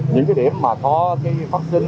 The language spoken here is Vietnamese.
những cái điểm mà có phát sinh